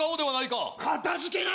かたじけない！